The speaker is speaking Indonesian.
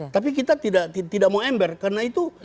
tapi kita tidak mau ember karena itu